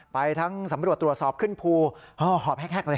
ไปทั้งสำรวจตรวจสอบขึ้นภูหอบแฮกเลย